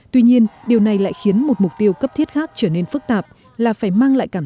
tuy nhiên điều này lại khiến một mục tiêu cấp thiết khác trở nên phức tạp là phải mang lại cảm